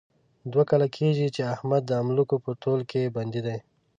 دوه کاله کېږي، چې احمد د املوکو په تول کې بندي دی.